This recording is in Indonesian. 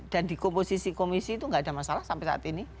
dan di komposisi komisi itu nggak ada masalah sampai saat ini